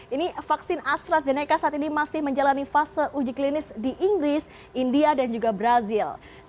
ini vaksin astrazeneca saat ini masih menjalani fase uji klinis di inggris india dan juga brazil